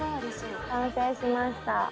完成しました